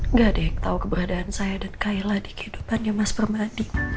nggak ada yang tahu keberadaan saya dan kayla di kehidupannya mas permadi